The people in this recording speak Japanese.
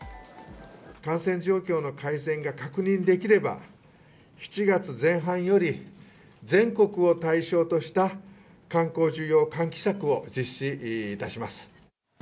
感染状況の改善が確認できれば、７月前半より、全国を対象とした観光需要喚起策を実施いたします。